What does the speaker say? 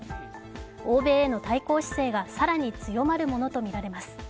欧米への対抗姿勢が更に強まるものとみられます。